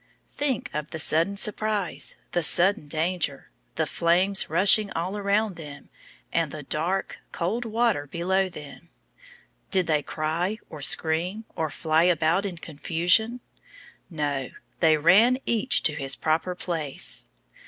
Think of the sudden surprise, the sudden danger the flames rushing all around them, and the dark, cold water below them! Did they cry, or scream, or fly about in confusion? No; they ran each to his proper place.